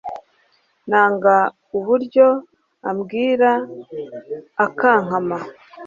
Nanga uburyo ambwira akankama